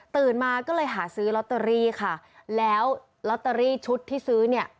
มาก็เลยหาซื้อลอตเตอรี่ค่ะแล้วลอตเตอรี่ชุดที่ซื้อเนี่ย